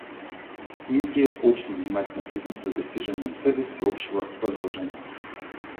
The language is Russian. Индия очень внимательно следит за достижением цели всеобщего разоружения.